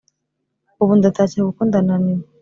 Ubu ndatashye kuko ndananiwe